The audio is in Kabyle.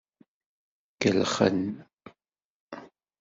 Kellxen.